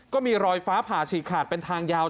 ก็มีรอยฟ้าผ่าฉีกขาดเป็นทางยาว